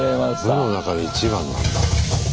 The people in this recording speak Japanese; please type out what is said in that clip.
部の中で一番なんだ。